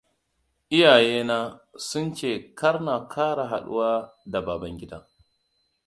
Iyayena sun ce kar na ƙara haɗuwa da Babangida.